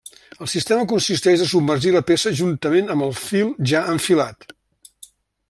El sistema consisteix a submergir la peça juntament amb el fil ja enfilat.